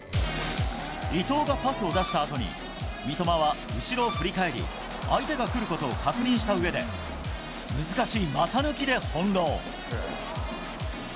伊藤がパスを出したあとに、三笘は後ろを振り返り、相手が来ることを確認したうえで、難しい股抜きで翻弄。